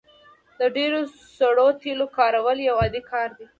د ډیرو سړو تیلو کارول یو عادي کار دی